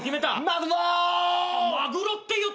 マグロー！